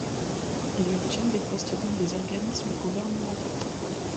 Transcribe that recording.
Il obtient des postes dans des organismes gouvernementaux.